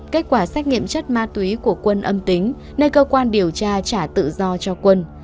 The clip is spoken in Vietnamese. kết quả xét nghiệm chất ma túy của quân âm tính nên cơ quan điều tra trả tự do cho quân